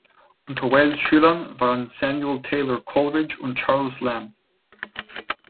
Unter Wales’ Schülern waren Samuel Taylor Coleridge und Charles Lamb.